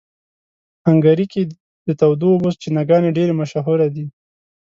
هنګري کې د تودو اوبو چینهګانې ډېرې مشهوره دي.